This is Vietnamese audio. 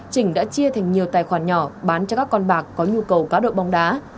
chỉnh đã chia thành nhiều tài khoản nhỏ bán cho các con bạc có nhu cầu cá độ bóng đá